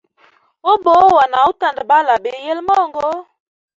Ubuwa na utandabala biyile mungu.